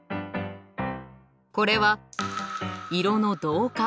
これは色の同化。